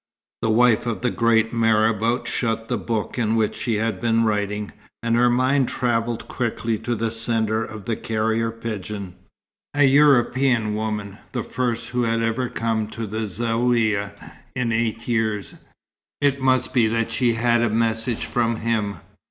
The wife of the great marabout shut the book in which she had been writing, and her mind travelled quickly to the sender of the carrier pigeon. A European woman, the first who had ever come to the Zaouïa in eight years! It must be that she had a message from him.